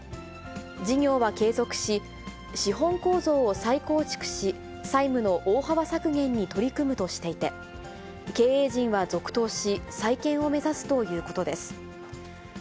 事業は継続し、資本構造を再構築し、債務の大幅削減に取り組むとしていて、経営陣は続投し、再建を目指すということです。